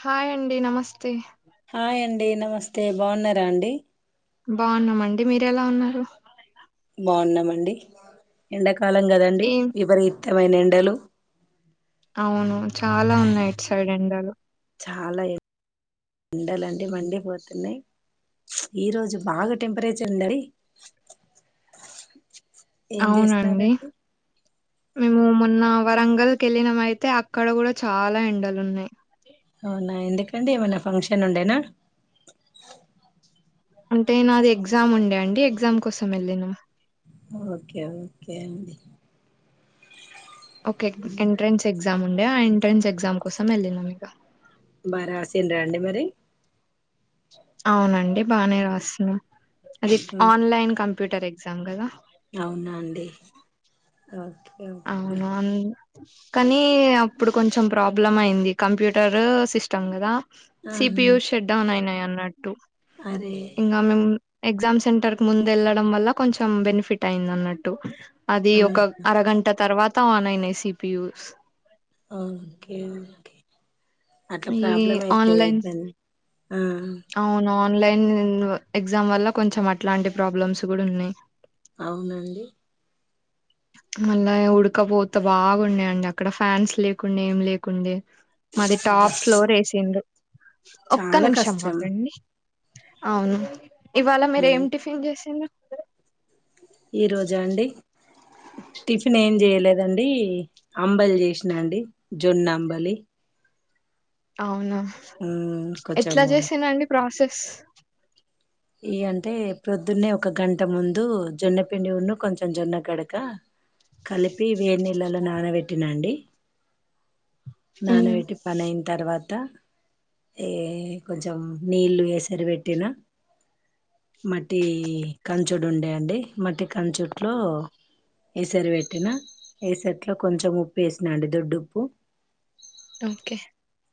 Hi అండి నమస్తే hi అండి నమస్తే బాగున్నారా అండి బాగున్నామండి మీర ఎలా ఉన్నారు బాగున్నామండి ఎండక్ కాలం కదండి ఏం విపరీత్ తమైన ఎండలు అవును చాలా ఉన్నాయిటు సైడ్ ఎండాలు చాలా ఎ ఎండలు అంటే మండిపోతున్నాయి ఈరోజు బాగా టెంపరేచర్ ఉండయి ఏం అవునండి చేస్తున్నారండి మేము మొన్న వరంగల్ కెళ్ళినము అయితే అక్కడ కూడా చాలా ఎండలు ఉన్నాయి. అవునా ఎందుకండి ఏమైన్నా ఫంక్షన్ ఉండేనా అంటే నాది ఎగ్జామ్ ఉండే అండి ఎగ్జామ్ కోసం వెళ్ళిన ఓకే ఓకే అండి ఓకే ఎంట్రన్స్ ఎగ్జామ్ ఉండే ఆ ఎంట్రెన్స్ ఎగ్జామ్ కోసం వెళ్ళా ఇక బారాసిండ్రా అండి మరి అవునండి బానే రాస్తున్నా అది ఉమ్, ఆన్లైన్ కం ప్యూటరు ఎగ్జామ్ కదా అవునా అండి ఓ అవును అను కానీ అప్పుడు కొంచెం ప్రాబ్లమ్ అయింది కంప్యూటర్ సిస్టమ్ కదా ఆహా సిపియయు షెట్ డౌన్ అయినాయా నాట అరే ఇంకా మే ఎజామ్ సెంటర్ ముందు వెళ్లడం వల్ల కొంచెం బెనిఫిట్ అయింది అన్నట్టు అది ఆ ఒక అరగంట తర్వాత ఆనయిన్ సిపియూస్ ఓకే ఓకే అట్లా ఈ ప్రాబ్లం అయితే ఆన్లైన్ ఇబ్బంది ఆ అవును ఆన్లైన్ ఎగ్జామ్ వల్ల కొంచెం అట్లాంటి ప్రాబ్లమ్స్ కూడా ఉన్నాయి అవునండి మళ్ళా ఉడకపోతే బాగున్నాయండి అక్కడ ఫ్యాన్స్ లేకుండా ఏం లేకుండే మాది అబ్బా టాప్ ఫ్లోర్ ఏసిు ఒక్క చాలా నిమిషం కష్టం అవును ఇవాళ మీరు ఏం ఉమ్. టిఫిన్ చేసిరు ఈ రోజా అండి టిఫిన్ ఏం చేయలేదండి అంబలి చేసినాండి జొన్న అంబలి అవును ఉమ్, ఎట్లా కొంచెము చేసినండి ప్రాసెస్ ఇ అంటే పొద్దున్నే ఒక గంట ముందు జొన్న పిండి ఉన్న కొంచెం జొన్న గడక కలిపి వే నళ్ళలో నానబెట్టినండి మ్మ్. నానబట్టి పని అయిన తర్వాత ఏ కొంచెం నీళ్ళు వసరి పెట్టినా మట్టి కంచుడు ఉండేయంండి మట్టి కంచోట్లో ఏసర పెట్టినా ఏసట్లో కొంచెం ఉప్పు వేసినా అండి దొడ్డు ఉప్పు ఓకే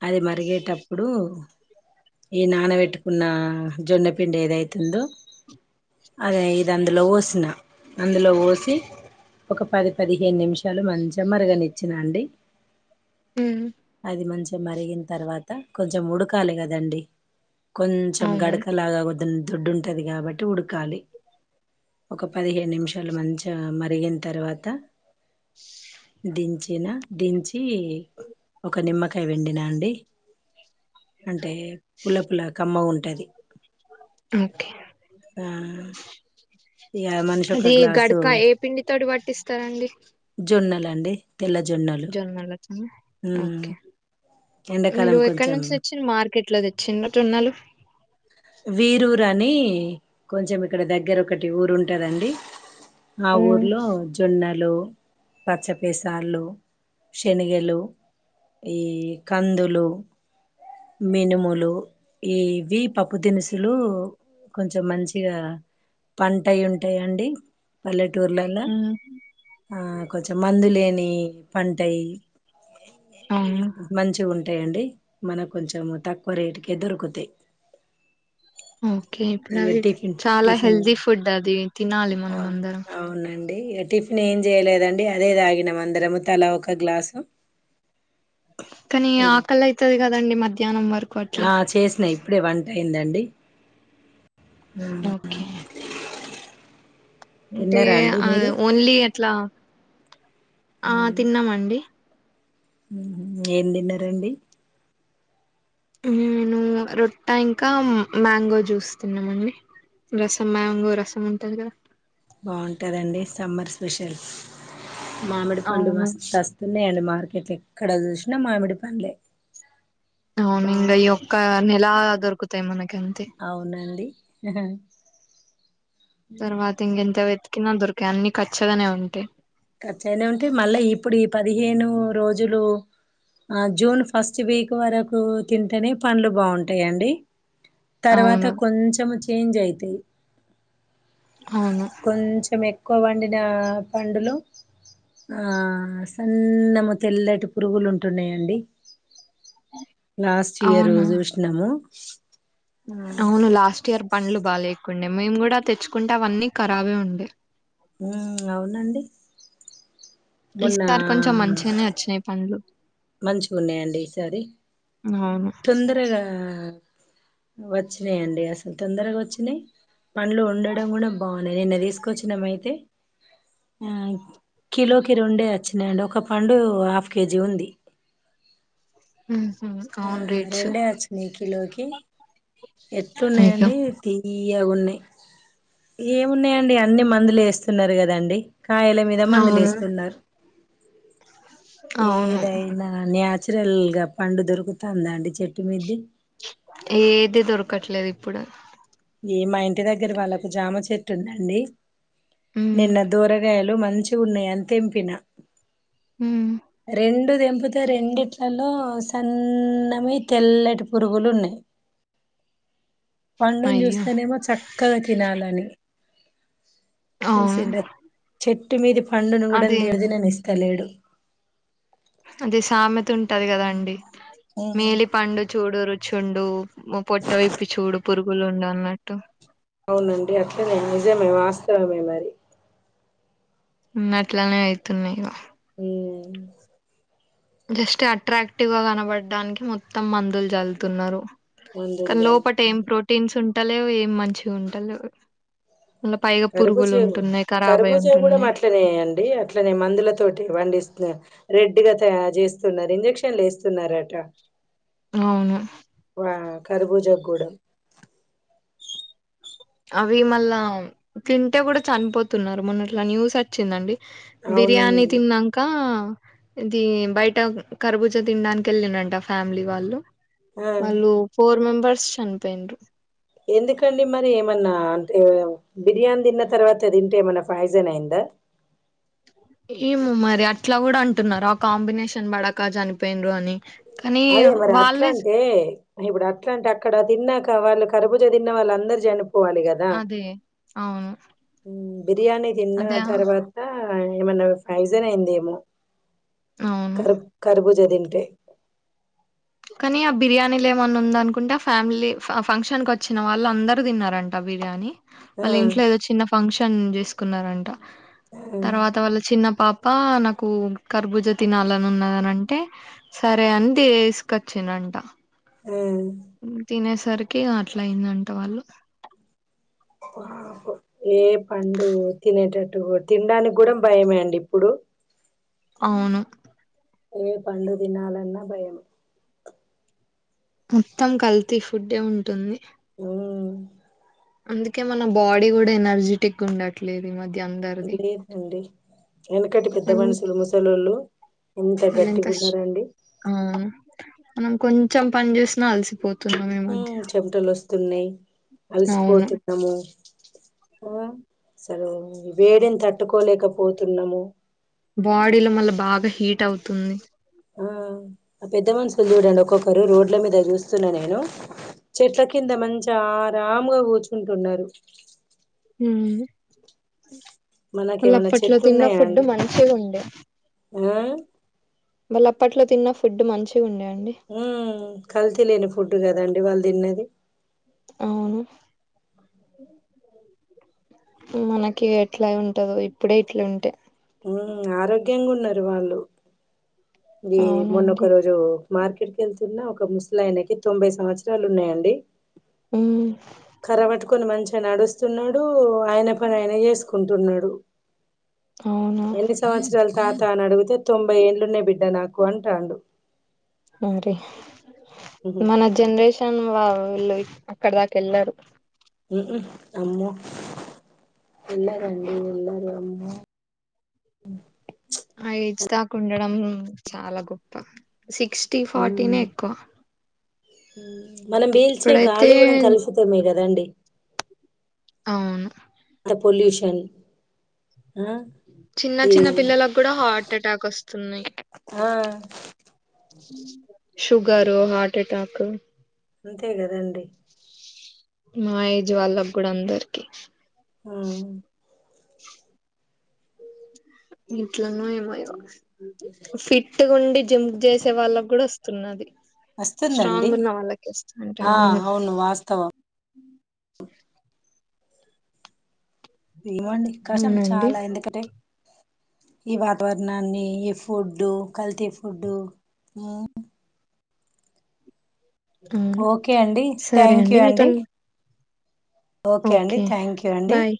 అది మరిగేటప్పుడు ఈ నానబెట్టుకున్న జొన్నపిండి ఏదైతుందో అదే ఇది అందులోలవోసిన అందులో పోసి ఒక పది పదిహేను నిమిషాలు మంచి మరగని ఇచ్చినండి మ్మ్. అది మంచి కొెం మరిగిన తర్వాత కొంచెం ఉడకాలి కదండి కొంచెం అవును గడకలాగా కొద్ద దొడ్డుంటుది కాబట్టి ఉడకాలి ఒక పదిహేను నిమిషాలు మంచి మ అడిగిన తర్వాత దంచనా దంచి ఒక నిమ్మకా ట వెండినా అండి అంటే పుల్ల పల కమ్మ ఉంటా అంటది ఓకే ఆ ఇగ మనిషి ఒక అది గ్లాసు గడకా ఏ పిండి తోటి పట్టిస్తారంండి జొన్నలు అండి తెల్ల జొన్నలు జోన్మల ఉమ్ ఓకే ఎండాకాలం మీరు ఎక్కడ కొంచెం నుంచి తెచ్చి మార్కెట్లో తెచ్చిటున్నాలు వీరూరు అని కొంచెం ఇక్కడ దగ్గర ఒకటి ఊరు ఉంటదండి మా ఊర్లో జొన్నలు పచ్చపేసర్లు శనగలు ఈ కందులు మినుములు ఇవి పప్పు దినుసులు కొంచెం మంచిగా పంట అయి ఉంటయండి పల్లె టూర్లలో ఆ కొంచెం మందు లేని పంటై అవును మంచి గు టయండి మన కొంచెము తక్కువ రేటుకే దొరుకుతాయ్ ఓకే ఇప్పుడు అవి చాలా టిఫిన్ హెల్దీ ఫుడ్ అది తినాలి ఆ మనం అందరం అవునండి టిఫిన్ ఏం చేయలేదండి అదే తాగినం అందరము తల ఒక గ్లాసు కానీ ఆకల అయితుది కదం ఆ చేసినా ఇప్పుడే వంట ఏందండి ఓకే అంటే తిన్నారా అండి మీరు ఓన్లీ అట్లా ఆ ఉమ్, తిన్నామండి ఏం తిన్నారండి నేను రొట్ట ఇంకా మ్యాంగో జూస్ తిన్నామండి రసం మ్యాంగో రసం ఉంటది కదా బాగుంటుందండి సమ్మర్ స్పెషల్ మామిడి పండు అవును మస్తస్త ఉన్నాయండి మార్కెట్లు ఎక్కడ చూసినా మామిడి పండ లె అవును ఇంగా ఈ ఒక్క నెల దొకుతయి మనకి అంతే అవునండి తర్వాత ఇంగ ఎంత వె కిన దొరికయి అన్ని ఖచ్చగానే ఉంటాయి ఖచ్చగనే ఉంటాయ్ మళ్ళీ ఇప్పుడు ఈ పదిహేను రోజులు ఆ జూన్ ఫస్ట్ వీక్ వరకు తింటేనే పండ్లు బాగుంటాయిండి తర్వాత అవును కొంచెం చేంజ్ అయి తెయ్ అవును కో వండిన పండులో ఆ సన్నము తెల్లటి పురుగులు ఉంటున్నాయండి లాస్ట్ ఇయర్ అవునా చూసినాము అవును లాస్ట్ ఇయర్ పండ్లు బా లేకుండే మేము కూడా తెచ్చుకుంటామ్అవన్నీ రాబే ఉండే ఉమ్ అవునండి మొన్న ఈసారి కొంచెం మంచిగానే వచ్చినాయి పండ్లు మంచిగ ఉన్నాయంండి ఈసారి అవును తొందరగా వచ్చినాయిండి అసలు తొందరగా వచ్చినాయి పండ్లు వండడం కూడా బాగున్నాయి నిన్న తీసుకొచ్చినమయితే మ్ కిలోకి రెండే వచ్చినాయండి ఒక పండు హాఫ్ కేజీ ఉంది ప ఉహు అవును రేట్స్ రెండే వాచ్చినాయ్ కిలో కి ది అయ్యో ఎట్లున్నాయండి తీ ఇగన్నాయి ఏమున్నాయండి అన్ని మందులు వేస్తున్నారు కదండి కాయల మీద మందులు అవును ఏస్తున్నారు అవును ఏదైనా న్యా చరల్గా పండు దరు ఎక్కుతాంద అండి చెప్పి మిద్ది ఏది దొరకట్లేదు ఇప్పుడు ఈ మా ఇంటి దగ్గర వాళ్ళకు జామ చెట్టు ఉందండి హ్మ్ నిన్న దూరగాయలు లో మంచిగ ఉన్నాయని తెంపిన మ్ రెండు దెంపుతే రెండిట్లలో సన్ననీ తెల్లటి పురుగులు ఉన్నాయి పండును తీసు అయ్యో! స్తేనేమో చక్కగా తినాలని అవును. చూసింట చె తుమిదిప్ పండును కూడా అది తేడి దినని ఇస్తలేడు అదే సామెత ఉంటది కదా అండి మేలి పండు చ చూడు రుచి ఉండు పొట్టవిప్పి చూడు పురుగులు ఉండు అన్నట్టు అవునండి అట్నే నిజమే వాస్తవమే మరి ఉన్న అట్లనే అయితున్నాయి గ మ్ జస్ట్ అట్రాక్టివ్ గా కనబడడానికి మొత్తం మందులు చల్లుతున్నారు కా మందులు జల్ లోపట ఏం ప్రోటీన్స్ ఉం ఉంటలేవు ఏం మంచిగా ఉంటలేవు కరుబూచేవు కరుబూచేవు కూడా ఉంటున్నాయి. అట్లనేండి అట్లనే మందుల తోటి వండిస్తు రెడ్గా చేస్తున్నారు ఇంజెక్షన్లు వేస్తున్నారట అవును కరబూజగూడెం అవి మళ్ళా తింటే కూడా చనిపోతున్నారు మొన్న ఇట్లా న్యూస్ వచ్చిందండి బిర్యాని అవునండి తినన్నాంక ఇది బయట కర్బుజ తినడానికి వెళ్ళినంట ఫ్యామిలీ వాళ్ళు ఆ వాళ్ళు ఫోర్ మెంబర్స్ చనిపోన్ ఎందుకండి మరి ఏమన్నా అంటే బిర్యానీ తిన్న తర్వాత తింటే ఏమన్నా ఫాజన్ అయిందా ఏము మరి అట్లా కూడా అంటున్నారు ఆ కాంబినేషన్ బడక చనిపోయిన్ర అని కానీ అదే మరి వాళ్ళే జ- అట్లాంటే ఇప్పుడు అట్లా అంటే అక్కడ తిన్నాక వాళ్ళ కర్బుజ తిన్న వాళ్ళందరు జని పోవాలిగదా అదే అవును బిర్యానీ తిన్న అదే ఆ- తర్వాత ఏమన్నా ఫైజన్ అయింది ఏమో అవును కర్ కర్బ్ నేనింతే కానీ ఆ బిర్యానీలు ఏమన్నా ఉంద అనుకుంటే ఆ ఫ్యామిలీ ఫ ఫంక్షన్ క వచ్చిన వాళ్ళు అందరు తిన్నారంట ఆ బిర్యానీ ఆ వాళ్ళ ఇంట్లో ఏదో చిన్న ఫంక్షన్ షన్ చేసుకున్నారంట ఆ, తర్వాత వల్ల చిన్న పాప్ ప్ప నాకు కర్భుజ తినాలని ఉన్నదని అంటే సరే అని తీస్ కచ్చిండంట ఆ, మ్మ్ తినేస్ సరికే అట్లా అయిందట వాళ్ళు పాపం ఏ పండు తినేటట్టు ట్టు తినడానికి కూడా భయమే అండి ఇప్పుడు అవును ఏ పండు తినాలన్న భయం మొత్తం కల్తీ ఫుడ్డే ఉంటుంది మ్మ్ అందుకే మన బాడీ కూడా ఎనర్జెటిక్గా ఉండట్లేదు ఈ మధ్య అందరిది లేదండి వెనకటి పెద్ద కొం- మనుషులు ముసలోళ్ళు ఎంత వాళ్ళు గట్టిగా స్- ఉన్నారండి అవును మనం కొంచెం పని చేసినా అలసిపో ఉమ్ చెమటలు వస్తున్నాయి అవును అలసిపోతున్నాము ఆ అసలు వేడిని తట్టుకోలేకపోతున్నాము బాడీ లో మళ్ళా బాగా హీట్ అవుతుంది ఆ ఆ పెద్ద మనుషులు చూడండి ఒక్కొక్కరు రోడ్ల మీద చూస్తున్నా నేను చెట్ల కింద మంచిగా ఆరాంగ కూర్చుటున్నారు ఉమ్ వాళ్ళు మనకేమైనా అప్పట్లో చెట్లు తిన్న ఉన్నాయా ఫుడ్డు అండి మంచి గుండే ఆ వాళ్ళ అప్పట్లో తిన్న ఫుడ్ మంచిగా ఉండే అండి ఉమ్ కల్తి లేని ఫుడ్ కదండి వాళ్ళు తిన్నది అవును మనకి ఎట్లా ఉంటదో ఇప్పుడే ఇట్ల ఉంటే మ్మ్ ఆరోగ్యంగా ఉన్నరు వాళ్ళు గి అవునండి మొన్నకరోజు మార్కెట్కి వెళ్తున్న ఒక ముసలాయనకి తొంభై సంవత్సరాలు ఉన్నాయండి ఉమ్ కర్ర పట్టుకొని మంచి నడుస్తున్నాడు ఆయన పని ఆయన చెస్ కుంటున్నాడు అవునా ఎన్ని సంవత్సరాలు తాత అని అడుగుత్ తె తొంబై ఏళ్ళు బీడ్ డ్డ నాకు అంటాండు అ రే ఉహు మన జనరేషన్ వాల్ ళ్ళ అక్కడ దాకా ఎళ్లారు ఉమ్ హు అమ్మో ఎల్లార్ అండి ఎల్లార్ అమ్మో ఆ ఏజ్ దాకుండడం చాలా గొప్ప సిక్స్టీ ఫార్టీనే ఎక్కువ హ మనం పీల్చే ఇప్పుడైతే గాలి కూడా కలుషితమే కదండి అవును చని చిన్న చిన్న పిల్లలకు కూడా హార్ట్ అటాక్ వస్తున్నాయి ఆ షుగరు హార్ట్ అటాక్ అంతే కదండి మా ఏజ్ వాళ్ళ కూడా అందరికీ ఆ ఎట్లనో ఏమో ఇగ ఫిట్ గుండి జిమ్ చేసే వాళ్ళకి కూడా వ తున్నది వస్తుందండి ఆ అవును వాస్తవం ఏమండి కష్టం అవునండి చాలా ఎందుకంటే ఈ వాతావరణాన్ని ఈ ఫుడ్డు కల్తీ ఫుడ్డు అవును ఓకే అండి సరే థ్యాంక్యూ మీతో అండి ఓకే అండి థ్యాంక్యూ అండి బాయ్